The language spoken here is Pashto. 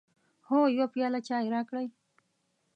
هو، یو پیاله چای راکړئ